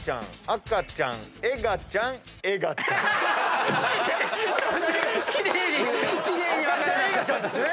赤ちゃんエガちゃんですね。